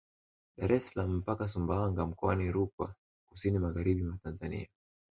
Dar es salaam mpaka Sumbawanga mkoani Rukwa kusini magharibi mwa Tanzania